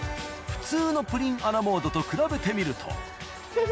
普通のプリンアラモードと比べてみると。